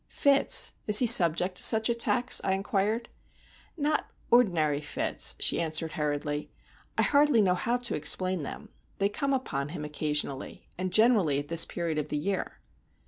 "Fits! Is he subject to such attacks?" I inquired. "Not ordinary fits," she answered hurriedly; "I hardly know how to explain them. They come upon him occasionally, and generally at this period of the year."